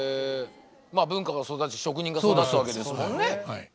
文化が育ち職人が育つわけですもんね。